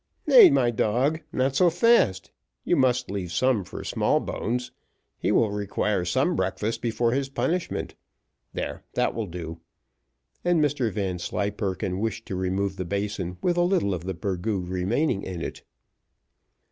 "Nay, my dog, not so fast; you must leave some for Smallbones, he will require some breakfast before his punishment. There, that will do;" and Mr Vanslyperken wished to remove the basin with a little of the burgoo remaining in it.